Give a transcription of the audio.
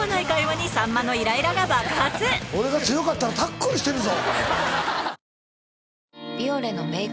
俺が強かったらタックルしてるぞ。